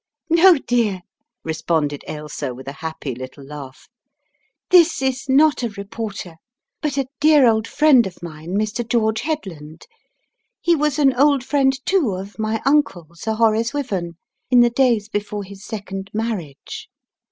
"No, dear," responded Ailsa with a happy little laugh, "this is not a reporter, but a dear old friend Tightening the Strands 155 of mine, Mr. George Headland. He was an old friend, too, of my uncle, Sir Horace Wyvern, in the days before his second marriage.